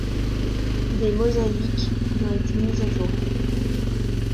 Des mosaïques y ont été mises à jour.